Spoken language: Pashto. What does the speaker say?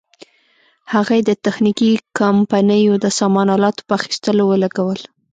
هغه یې د تخنیکي کمپنیو د سامان الاتو په اخیستلو ولګول.